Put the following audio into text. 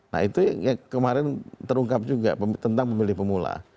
nah itu yang kemarin terungkap juga tentang pemilih pemula